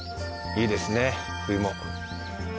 いいですね、冬も。